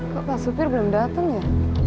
kok pak supir belum datang ya